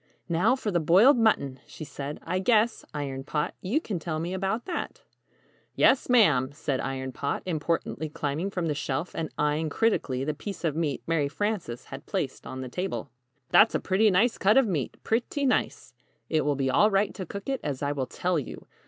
"Now for the Boiled Mutton," she said. "I guess, Iron Pot, you can tell me about that." [Illustration: Slipped him into the oven.] "Yes, ma'am," said Iron Pot, importantly climbing from the shelf, and eying critically the piece of meat Mary Frances had placed on the table. "That's a pretty nice cut of meat pretty nice. It will be all right to cook it as I will tell you.